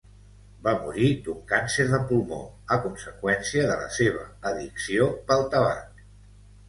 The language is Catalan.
Va morir d'un càncer de pulmó, a conseqüència de la seva addicció pel tabac.